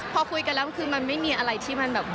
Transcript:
พอคุยกันแล้วคือมันไม่มีอะไรที่มันแบบ